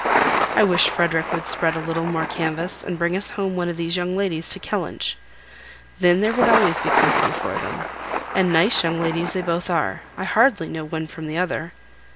I wish Frederick would spread a little more canvass, and bring us home one of these young ladies to Kellynch. Then there would always be company for them. And very nice young ladies they both are; I hardly know one from the other."